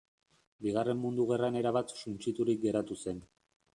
Bigarren Mundu Gerran erabat suntsiturik geratu zen.